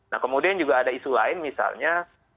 nah kemudian juga ada isu lain misalnya